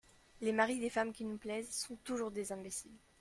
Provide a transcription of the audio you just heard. Les maris des femmes qui nous plaisent sont toujours des imbéciles.